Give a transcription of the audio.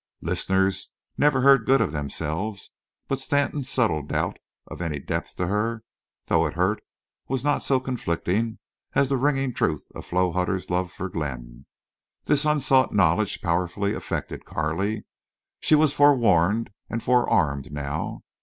Listeners never heard good of themselves. But Stanton's subtle doubt of any depth to her, though it hurt, was not so conflicting as the ringing truth of Flo Hutter's love for Glenn. This unsought knowledge powerfully affected Carley. She was forewarned and forearmed now.